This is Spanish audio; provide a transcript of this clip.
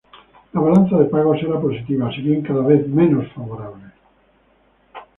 La balanza de pagos era positiva, si bien cada vez menos favorable.